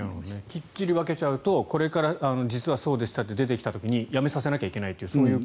きっちり分けちゃうとこれから実はそうでしたって出た時に辞めさせなきゃならないと。